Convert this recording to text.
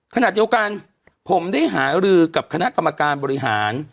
ขณะเดียวกันผมได้หารือกับคณะกรรมการบริหาร